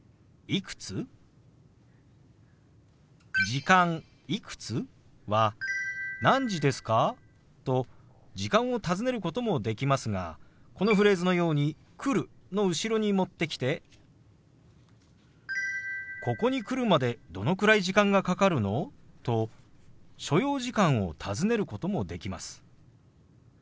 「時間いくつ？」は「何時ですか？」と時間を尋ねることもできますがこのフレーズのように「来る」の後ろに持ってきて「ここに来るまでどのくらい時間がかかるの？」と所要時間を尋ねることもできます。